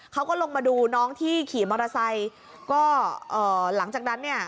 เขาก็ลงมาดูน้องที่ขี่มอเตอร์ไซค์ก็เอ่อหลังจากนั้นเนี่ย